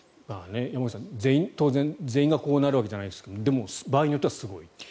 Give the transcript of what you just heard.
山口さん、当然全員がこうなるわけじゃないですがでも場合によってはすごいと。